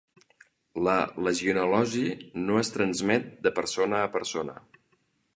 La legionel·losi no es transmet de persona a persona.